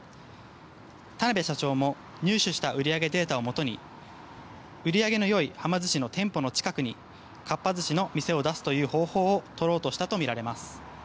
田邊社長も入手した売り上げデータをもとに売り上げのよいはま寿司の店舗の近くにかっぱ寿司の店を出すという方法を取ろうとしたとみられます。